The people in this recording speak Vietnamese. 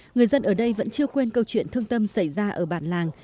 người dân ở đây vẫn chưa quên câu chuyện thương tâm xảy ra ở bản làng